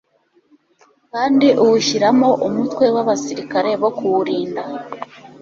kandi awushyiramo umutwe w'abasirikare bo kuwurinda